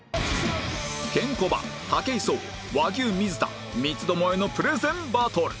ケンコバ武井壮和牛水田三つ巴のプレゼンバトル